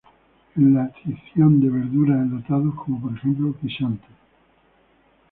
En la tinción de verduras enlatados, como por ejemplo guisantes.